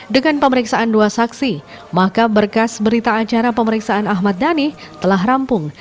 dengan pemeriksaan dua saksi maka berkas berita acara pemeriksaan ahmad dhani telah rampung